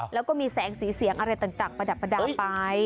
แล้วก็มีแสงสีเสียงอะไรต่างประดับประดาษไป